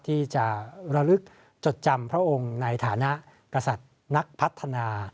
ที่จะระลึกจดจำพระองค์ในฐานะกษัตริย์นักพัฒนา